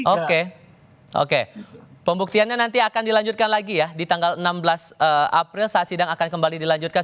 oke oke pembuktiannya nanti akan dilanjutkan lagi ya di tanggal enam belas april saat sidang akan kembali dilanjutkan